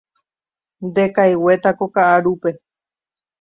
Ndekaiguéta ko ka'arúpe.